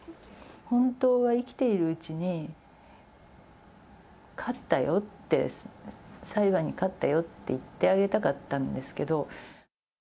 本当は生きているうちに勝ったよって、裁判に勝ったよって言ってあげたかったんですけど。